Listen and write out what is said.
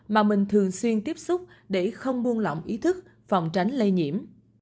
mà mình thường xuyên tiếp xúc để không buông lỏng ý thức phòng tránh lây nhiễm